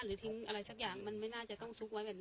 หรือสักอย่าง